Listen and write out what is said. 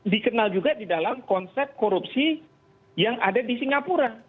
dikenal juga di dalam konsep korupsi yang ada di singapura